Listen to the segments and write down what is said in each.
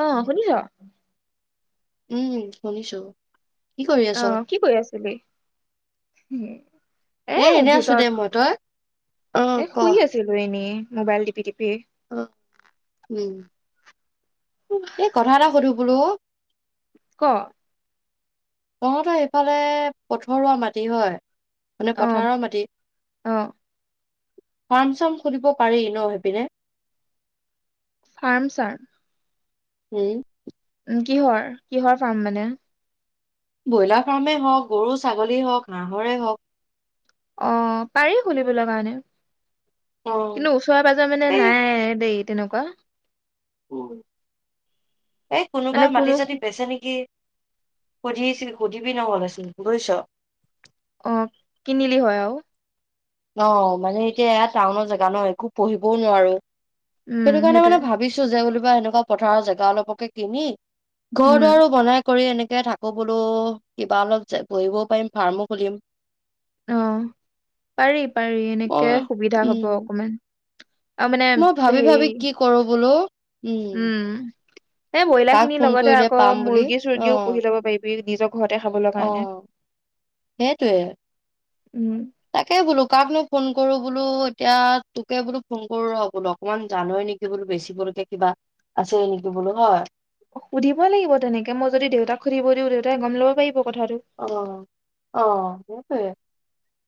অ, শুনিছ। উম, শুনিছো। কি কৰি আছ? অহ, কি কৈ আছিলি? উম, এ এনে আছো দে মই তই অহ, এ ক? শুই আছিলো এনেই মোবাইল টিপি-টিপি। অ, উম, এ কথা এটা সুধো বোলো। ক? তহতৰ সেইফালে পথৰুৱা মাটি হয়। মানে অ পথাৰৰ মাটি অ ফাৰ্ম চাম খুলিব পাৰি ন হেপিনে ফাৰ্ম ছাৰ উম কিহৰ কিহৰ ফাৰ্ম মানে ব্ৰইলাৰ ফাৰ্মেই হওঁক গৰু ছাগলী হওঁক হাঁহৰে হওক অ পাৰি খুলিবলৈ কাৰণে অ', কিন্তু ওচৰে পাজৰে মানে এই নাই দেই তেনেকুৱা উ এই মানে কোনোবাই কোনো মাটি চাটি বেচে নেকি সুধিছিল সুধিবি নহ'লোন বুজিছ অ কিনিলি হয় অ মানে এতিয়া এয়া টাউনৰ জেগা ন একো পঢ়িবও নোৱাৰো উম সেইটো কাৰণে সেইটোৱে মানে ভাবিছো যে বোলো কিবা এনেকুৱা পথাৰৰ জেগা অলপকে কিনি ঘৰ উম দুৱাৰো বনাই কৰি এনেকে থাকো বোলো কিবা অলপ বহিবও পাৰিম ফাৰ্মো খুলিম আহ পাৰি পাৰি এনেকে মই সুবিধা হব উম অকমান আৰু মানে মই হেৰি ভাবি-ভাবি কি কৰো বোলো। উম, এই বইলাৰ কাক খিনিৰ ফোন লগতে কৰিলে আকৌ পাম বুলি মুৰ্গী অ চৰ্গীও পুহি লব পাৰিবি নিজৰ ঘৰতে খাবলৈ কাৰণে। সেইটোৱে। উম, তাকে বোলো কাকনো ফোন কৰো বোলো এতিয়া তোকে বোলো ফোন কৰো ৰ'বোলো অকমান জানোৱেই নেকি বোলো বেচিবলৈকে কিবা আছেই নেকি বোলো হয়। সুধিবই লাগিব তেনেকে মই যদি দেউতাক সুধিব দিও দেউতাই গম ল'ব পাৰিব কথাটো অ অ [unintelligible]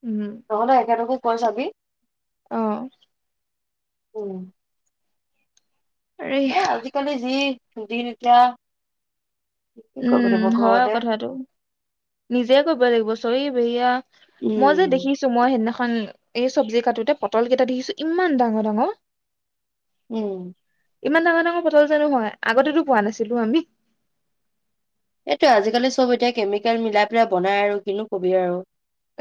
উম নহলে এখেতকো কৈ চাবি অ উম আৰে আজিকালি যি [unintelligible] কি কৰিব উম লাগিব হয় ঘৰতে কথাটো নিজে কৰিব লাগিব চৰি [unintelligible] মই যে উম দেখিছো মই সেইদিনাখন এই চব্জি কাটোতে পটল কেইটা দি দিছো ইমান ডাঙৰ ডাঙৰ উম ইমান ডাঙৰ ডাঙৰ পটল জানো হয়য আগতেতো পোৱা নাছিলো আমি এইটো আজিকালি চব এতিয়া কেমিকেল মিলাই পেলাই বনাই আৰু কিনো কবি আৰু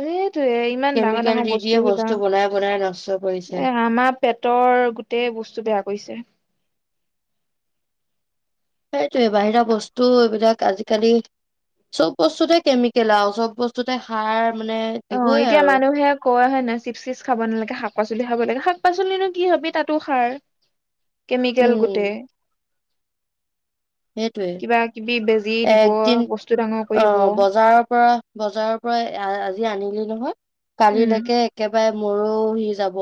এইটোয়ে ইমান ডাঙৰ কেমিকেল ডাঙৰ দি দিয়ে বস্তু দ বনাই বনাই নষ্ট কৰিছে। এ আমাৰ পেটৰ গোটেই বস্তু বেয়া কৰিছে সেইটোয়ে বাহিৰা বস্তু এইবিলাক আজিকালি চব বস্তুতে কেমিকেল আৰু চব বস্তুতে সাৰ মানে অ দিবই এতিয়া আৰু। মানুহে ক হয় নহয় চিপ চিপ খাব নালাগে শাক শাক পাচলি খাব লাগে শাক পাচলি কি তাতো খায় কেমিকেল উম, গোটেই সেইটোয়ে কিবা কিবি বেজি দিব একদিন বস্তু ডাঙৰ কৰিব অ' বজাৰৰ পৰা বজাৰৰ পৰা আজি আনিলি নহয় উম কালিলৈকে একেবাৰে মৰহি যাব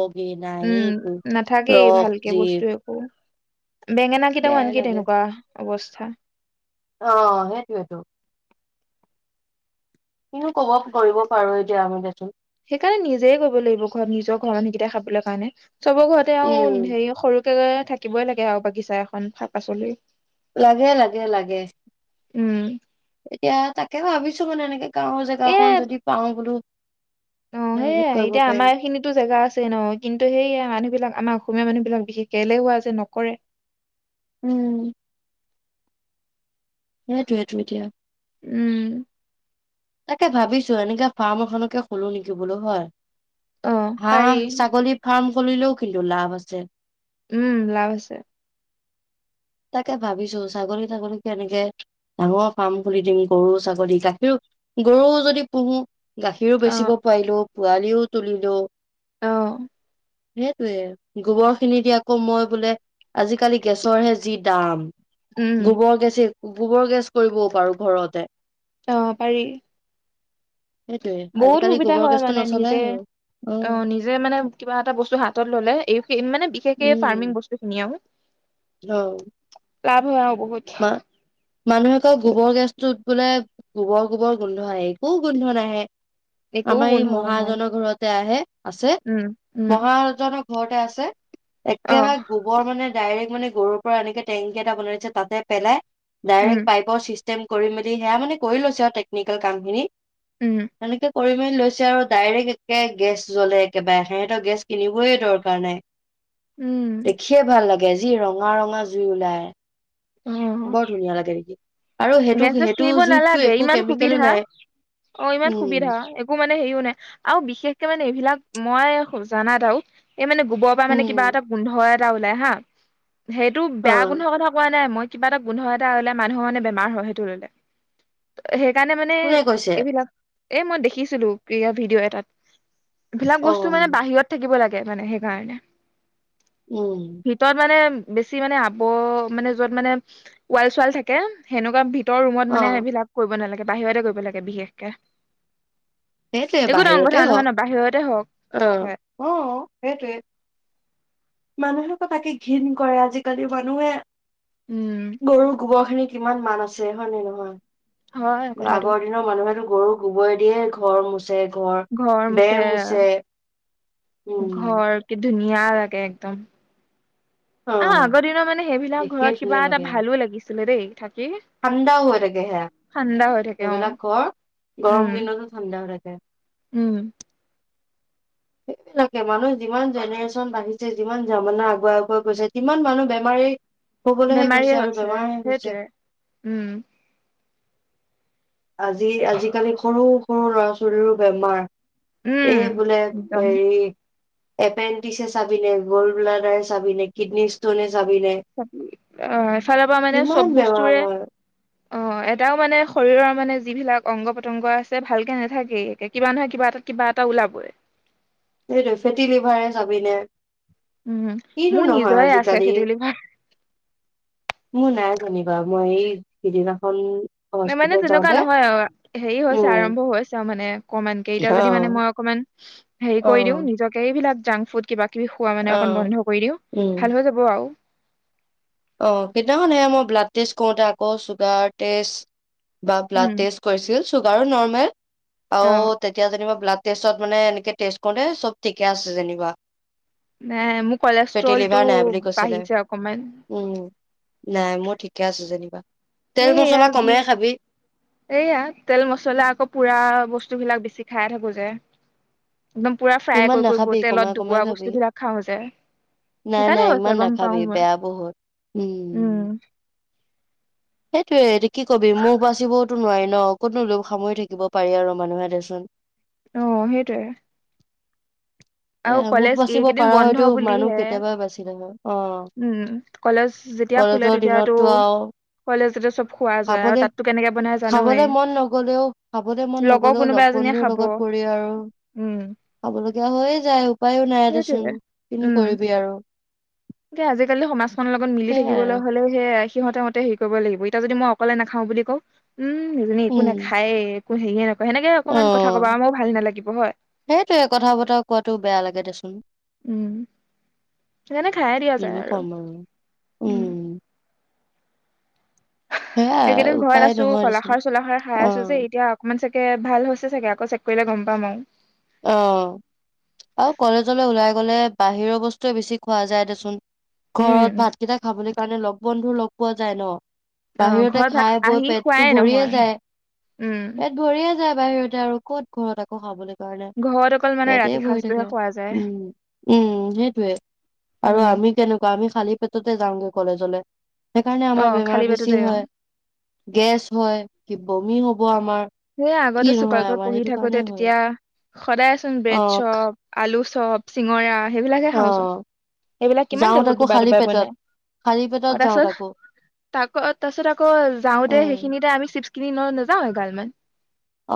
উম নাথাকেই ভালকে যি বস্তু একো বেঙেনা কেইটাও বেয়াই আনকি লাগে। তেনেকুৱা অৱস্থা অ সেইটোৱেটো কিনো কব কৰিব পাৰো এতিয়া আমি দেখোন সেইকাৰণে নিজেই কৰিব লাগিব ঘৰত নিজৰ ঘৰ মান সেইকেইটটা খাবলৈ কাৰণে চব ঘৰতে আৰু উম, হেৰি সৰু থাকিবই লাগে আৰু বাগিছা এখন শাক পাচলি। লাগে লাগে লাগে উম এতিয়া তাকে ভাবিছো মানে এনেকে গাঁওৰ জেগাখন যদি পাওঁ। ন, এনেকে সেইয়াই কৰিব এতিয়া পাৰিম আমাৰ খিনিতো জোগা আছে ন, কিন্তু সেইয়া মানুহ বিলাক আমাৰ। অসমীয়া মানুহবিলাক বিশেষকে এলেহুৱা যে নকৰে। উম। সেইটোৱেটো, এতিয়া। উম। তাকে ভাবিছো, এনেকে ফাৰ্ম এখনকে খলো নেকি বোলো হয়। অ পাৰি হাহ, ছাগলী ফাৰ্ম। চলিলেও কিন্তু লাভ আছে। উম, লাভ আছে। তাকে ভাবিছো ছাগলী-তাগলিকে এনেকে ডাঙৰ ফাৰ্ম খুলি দিম গৰু ছাগলী গাখীৰো গৰু যদি পোহো। গাখীৰো অ বেচিব পাৰিলো। পোৱালিও তুলিলো অ। সেইটয়ে। গোবৰ খিনি দি আকৌ মই বোলে, আজিকালি গেছৰহে যি দাম। উম গোবৰ গেছ। গোবৰ গেছ কৰিবও পাৰোঁ ঘৰতে। অ, পাৰি। সেইটোয়ে বহুত আজিকালি সুবিধা গোবৰ হয় গেছটো মানে নচলাই নিজে, হ'ল। অ নিজে মানে কিবা এটা বস্তু হাতত ললে এইিন মানে। বিশেষকে ফাৰ্মিং বস্তু খিনিয়আও। অঁ। লাভ হয় অ বহুত। মানুহে কয় গোবৰ গেছটো উঠ বোলে গোবৰ-গোবৰ গোন্ধ আহে, একো গোন্ধ নাহে। একো আমাৰ এই গোন্ধ নহয় মহএজনৰ ঘৰতে আহে। আছে, উম উম মহাজনক ঘৰতে আছে। অ একেবাৰে গোবৰ মানে। ডাইৰেক্ মানে গৰুৰ পৰা এনেকে টেংকি এটা বনাইছে তাতে পেলাই। উম ডাইৰেক্ট পাইপৰ চিষ্টেম। কৰি মেলি সেয়া মানে কৰি লৈছো আৰু টেকনিকেল কাম খিনি। উম। পৰিমাণ লৈছে আৰু ডাইৰেক্ট একে গেছ জ্বলে একেবাৰে সিহতৰ গেছ কিনিবই দৰকাৰ নাই উম দেখিয়ে ভাল লাগে গেজী ৰঙা ৰঙা জুই ওলাই অ বহুত ধুনীয়া লাগে নেকি গেছ ছেজ কিনিব নালাগে ইমান কেমিকেলো সুবিধা নাই অ ইমান সুবিধা উম একো মানে হেৰিও নাই আৰু বিশেষকে মানে এইবিলাক ময়ো জানাত আও এই মানে গোবৰ পৰা কিবা উম এটা গোন্ধ এট ওলাই হা [unintelligible] সেইটো অ বেয়া গোন্ধ কথা কোৱা নাই মই কিবা এটা গোন্ধ এটা ওলাই মানুহ মানে বে মাৰ হয় সেইটো ললেই সেই সেই কাৰণে মানে কোনে কৈছে এইবিলাক এ মই দেখিছিলো কিৰিঅ ভিডিঅ' এটাত এইবিলাক অ বস্তু মানে বাহিৰত থাকিব লাগ গে মানে সেইকাৰণে উম ভিতৰত মানে বেছি মানে আবো মানে যত মানে ওৱাল চোৱাল থাকে সেনেকুৱা ভিত তৰ ৰুমত অ মানে সেইবিলাক কৰিব নালাগ বাহিৰতে কৰিব লাগে বিশেষকে সেইটোৱে একো ডাঙৰ কথা বাহিৰতে নহয় ন বাহিৰতে হওক হয় আহ অ সেইটোৱে মানুহক তাকে ঘিণ কৰে আজিকালি মানুহে উম গৰুৰ গোবৰ খিনিক কিমান মান আছে হয়নে হয় নহয়। কথাটো আগৰ দিনৰ মানুহে গৰু গোবৰ দিয়ে ঘৰ মুচা ঘৰ বেৰ মুচে উম, দুনিয়া লাগে একদম, অ আগৰ দিনৰ মানে সেইবিলাক দেখিয়ে ঘৰত কিবা ধুনীয়া এটা লাগে ভালো লাগিছিলে দেই। থাকি ঠাণ্ডাও হৈ থাকে সেয়া ঠাণ্ডা হৈ থাকে অ সেইবিলাক ঘৰ উম গৰম দিনত ঠাণ্ডা হৈ থাকে। উম এই নাক মানুহ, যিমান জেনেৰেশ্যন বাঢ়ি যিমান জামা আগুৱাই আগুৱাই গৈছে কিমান মানুহ বেমাৰী হবলৈহে গৈছে বেমাৰীয়ে আৰু হৈছে বেমাৰহে হৈছে সেইটোৱে উম, আজি আজিকালি সৰু, সৰু ল'ৰা ছোৱালীৰো বেমাৰ। উম এই বোলে একদম হেৰি। এপেণ্ডিক চাবি নে গ'ল্ড ব্লাডাৰ চাবি নে কিডনী ষ্টনে চাবিনে অ এফালৰ পৰা মানে কিমান চব বেমাৰ বস্তুৰে অ, হয় এটাও মানে শৰীৰৰ মানে যিবিলাক অংগ পতংগ আছে ভালকে নাথাকেই কে কিবা নহয় কিবা এটাত কিবা এটা ওলাবই। সেইটো ফেটি লিভাৰে চাবিনে উম, কিনো মোৰ নহয় নিজৰে আছে আজিকালি ফেটি লিভাৰ। শুনিবা মই এই সিদিনাখন নে মানে হস্পিতেল তেনেকুৱা যাওঁতে নহয় আৰু হেৰি হৈছে উম আৰম্ভ হৈছে আৰু মানে অকমানকে এতিয়া যদি মানে অ', মই অকমান হেৰি কৰি দিও অ', নিজকে এইবিলাক জাং ফুড কিবা কিবি খোৱা মানে অকণ অ', বন্ধ কৰি দিওঁ উম ভাল হৈ যাব আৰু। অ, কেইদিনাখন এইয়া মই ব্লাড টেষ্ট কৰোতে আকৌ চুগাৰ টেষ্ট বা ব্লাড উম টেষ্ট কৰিছিল চুগাৰো নৰ্মেল। অ তেতিয়া যেনিবা ব্লাড ষ্টেতত মানে এনেকে টেষ্ট কৰোতে চব ঠিকে আছে যেনিবা। নাই মোৰ ফেটি কলেষ্ট্ৰলটো লিভাৰ নাই বুলি কৈছিলে। বাঢ়িছে অকমান। উম নাই মোৰ ঠিকে আছে যেনিবা। তেল সেইয়া মছলা বি কমে খাবি এইয়া তেল মছলা আকৌ পুৰা বস্তু বস্তুবিলাক বেছি খাই থাকো যে। একদম পুৰা ফ্ৰাই ইমান কৰি কৰি নাখাবি তেলত কমাই কমাই ডুবোৱা খাবি। বস্তুবিলাক খাওঁ যে, নাই সেইকাৰণে নাই ইমান হৈছে গম নাখাবি পাওঁ মই বেয়া বহুত। উম। সেইটোৱে কি কবি মুখ বাচিবওতো নোৱাৰি ন। কতনো লোভ সামৰি থাকিব পাৰি আৰু মানুহে দেচোন। অ সেইটোৱে। এ আৰু মুখ কলেজ বাচিব এইকেইদিন পাৰা হয়তো বন্ধ মানুহ বুলিহে কেতিয়াবাই বাচিলে হয় অ উম কলেজ যেতিয়া খোলে কলেজৰ তেতিয়াটো, দিনততো আৰু কলেজতে খাবলে খাবলে মন নগলেও খাবলে মন লগৰ নগলেও কোনোবা লগ এজনীয়ে বন্ধুৰ খাব লগত পৰি আৰু উম খাবলগীয়া হৈ সেইটোৱে, উম কৰিবি আৰু এয়া আজিকালি সমাজখনৰ লগত মিলি সেইয়াই থাকিবলৈ আৰু হ'লেও হে, সিহতৰমতে হেৰি কৰিব লাগিব, এতিয়া যদি মই অকলে নাখাও বুলি কও। উম, এনেই একো উম নাখায়ে। [unintelligible] সেনেকে অ অকমান কথা কবা, আৰু মোৰ ভাল নালাগিব হয়। কোৱাতো বেয়া লাগে দেচোন। উম সেইকাৰণে খাইয়ে দিয়া কিনো যায় আৰু ক'ম উম। সেয়াই সেইকেইদিন ঘৰত উপায় আছো নহয় দেচোন কলাখাৰ চলাখাৰ খাই অ আছো যে, এতিয়া অকমান চাগে ভাল হৈছে চাগে। আকৌ চেক কৰিলে গম পাম আৰু, অ, আৰু কলেজলৈ ওলাই গলে বাহিৰৰ বস্তুৱে বেছি খোৱা যায় দেচোন উম ঘৰত ভাতকেইটা খাবলৈ কাৰণে লগ বন্ধু লগ পোৱা যায় ন অ বাহিৰতে ঘৰত ভাত খাই বৈ আহি খোৱাই পেটতটো নহয় ভৰিয়ে যায়। উম পেট ভৰিয়ে যায় য বাহিৰতে আৰু ক'ত ঘৰত আকৌ খাবলৈাগ কাৰণে। ঘৰত অকল মানে পেট ৰাতি ভৰি সাঁজটোহে থাকে। খোৱা যায় উম, উম সেইটোৱে আৰু উম আমি কেনেকুৱা আমি খালি পেটতে যাওঁগৈ কলেজলৈ সেইকাৰণে অ আমাৰ বেমাৰ খালী বেছি পেটতে অ হয়। গেছ হয় বমি হ'ব আমাৰ সেই কি আগতে নহয় চুকাইাক আমাৰ পঢ়ি সেইটো থাকো তে কাৰণে হয় তেতিয়া, খদায় এ চোন অ বেৰেড খা- চপ আলু আলু চব চিঙৰা সেইবিলাকে খাওচোন অ সেইবিলাক কিমান যাওঁ তেলত তাকো ডবাই খালী ডুবাই পেটত বনাই খালী পেটত অ' তা যাওঁ ছতক তাকো তাৰপিছত আকৌ যাওঁ তে উম সেইখিনিতে আমি কিনি ন নাযাওঁ হয় গাল মমান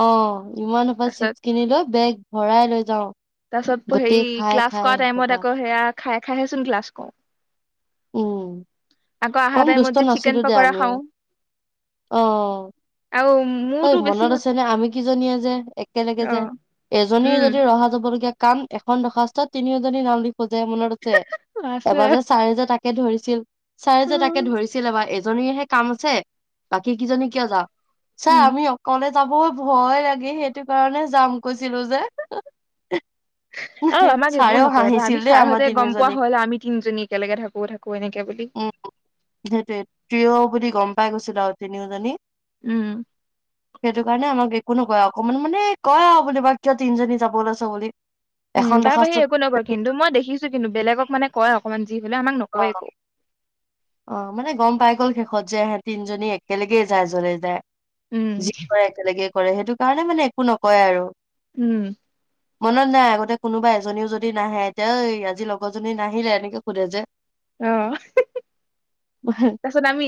অ' ইমান সপা চিপচ খিনি লৈ বেগ ভৰাই লৈ যাও তাৰপিছত গোটেই খাই খাই অসূপা ও খাইে খাইহেচোন ক্লাছ কৰোঁ উম কম টাইমত দুষ্ট যে চিকেন নাছিলো দে পকৰা আমিও খাওঁ অ আৰু ঐ মোৰতো বেছি মনত আছে আমি কিজনীয়ে যে একেলগে অ যে এজনী উম যদি ৰহা যাব ল কাম এখন দৰ্খাস্তত তিনিওজনী নাম লিখো খোজে মনত আছে আছে এবাৰ যে চাৰি যে তাকে কে ধৰিছিল ছাৰে যে উম তাকে ধৰিছিল বা এই জনীৰহে কাম আছে বাকী কিজনী কিয় যাওঁ ছা উম আমি অকলে যাব ভয় লাগে সেইটো কাৰণে যাম কৈছিলো যে, আৰু আমাক একো ছাৰেও নকয় এ হাঁহিছিল আমি দেই আমাৰ ছাৰহঁতে গম পোৱা তিনিওজনীক হ'ল আমি তিনিজনী একেলগে থাকো থাকো এনেকে বুলি উম। সেইটোে ট্ৰীয় বুলি গম পাই গৈছিলোঁ আৰু তিনিও জনি উম সেইটো কাৰণে আমাক একো নকয় কয় অকমান মানে কয় আৰু বা কিয় তিনিজনী যাব ওলাইছ বুলি। উম। এখন তাৰ বাহিৰে দৰ্খাস্তত একো নকয় কিন্তু মই দেখিছো কিন্তু বেলেগক মানে কয় অকমান যি হলে আমাক নকয় একো অ মানে গম পাই গল শেষত যে এহেত তিনজনী এক্কেলগেই যায় যলে যায় উম যি কৰে একেলগে কৰে সেইটো কাৰণে মানে একো নকয় আৰু উম মনত নাই আগতে কোনোবা এজনীও যদি নাহে এতিয়া আজি লগৰজনী নাহিলে এনেকে সোধে যে আহ তাৰ পিছত আমি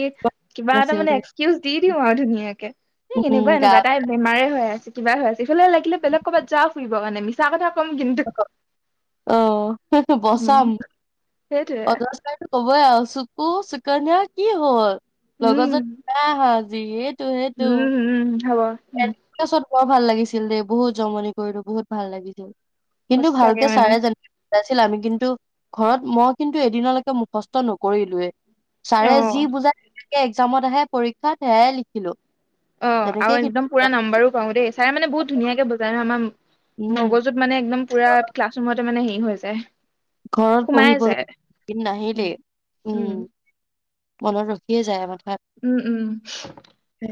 কিবা এটা নাছিল দে মানে এক্সকিউজ দি দিও আৰু ধুনীয়াকে স উম এনেকুৱা গা এনেকুৱা তাই বেমাৰে হৈ আছে ব [unintelligible] এইফালে লাগিলে বেলেগ কৰবাত যাওক ফুৰি [unintelligible] বৰ মানে মিছা কথা কম কিন্তু [unintelligible] আহ সেইতো উম বচাম সেইটোৱে প [unintelligible] ক [unintelligible] ব চুকু চুকন্যা কি হ'ল লগজন নাই আহাত য উম-উম উম হব উম [unintelligible] বুত [unintelligible] বৰ ভাল লাগিছিল দেই বহুত জমনি কৰিলো বহুত ভাল লাগিছিল কিন্তু সঁচাকে ভালকে মানে চাৰে জানো ছিল আমি কিন্তু ঘৰত মই কিন্তু এদিনলৈকে মুখস্থ নকৰিলোৱে ছাৰে অ যি বুজাই এক্জামত আহে পৰীক্ষাত সেয়াই লিখিলো অ আৰু তেনেকেই একদম কিন্তু পুৰা নাম্বাৰো পাও দেই ছাৰে মান বহু ধুনিয়াকে বুজাই ন ম উম মগজুত মানে একদম পুৰা ক্লাছৰুমতে। মানে হেৰি, হৈ যায়। ঘৰত সোমাই যায় পঢ়িবলৈ, [unintelligible] নাহিলে, উম উম। মনত ৰখিয়ে যায়, মানে উম, উম,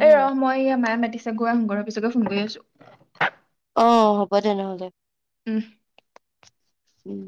এই ৰহ, মই, ই, মায়ে মাতিছে। গৈ আহোঙগৈ ৰ, পিছকে ফোন কৰি আছো। অ, হ'ব, তেনেহ'লে। উম। উম।